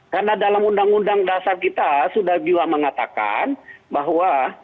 karena dalam undang undang dasar kita sudah juga mengatakan bahwa